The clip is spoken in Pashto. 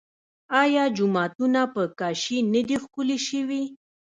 آیا جوماتونه په کاشي نه دي ښکلي شوي؟